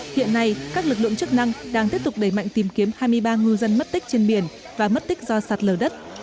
hiện nay các lực lượng chức năng đang tiếp tục đẩy mạnh tìm kiếm hai mươi ba ngư dân mất tích trên biển và mất tích do sạt lở đất